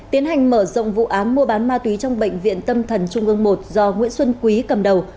tiến hành mở rộng vụ án mua bán ma túy trong bệnh viện tâm thần trung ương một do nguyễn xuân quý cầm đầu